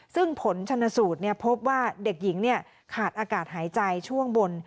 ซึ่งผลชนสูตรพบว่าเด็กหญิงขาดอากาศหายใจช่วงบน